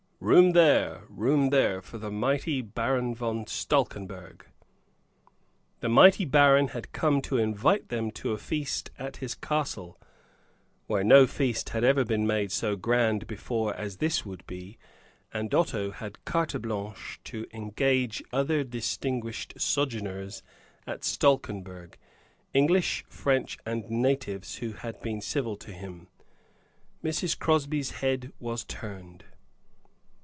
"Room there, room there, for the mighty Baron von Stalkenberg." The mighty baron had come to invite them to a feast at his castle, where no feast had ever been made so grand before as this would be; and Otto had carte blanche to engage other distinguished sojourners at Stalkenberg, English, French, and natives, who had been civil to him. Mrs. Crosby's head was turned.